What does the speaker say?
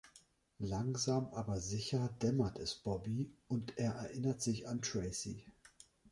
Langsam, aber sicher dämmert es Bobby, und er erinnert sich an Tracy.